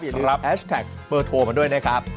อย่าลืมแอชแท็กเปิดโทรมาด้วยนะครับ